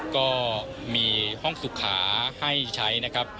ก็มีห้องสุขาให้ใช้นะครับ